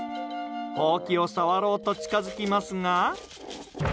ほうきを触ろうと近づきますが。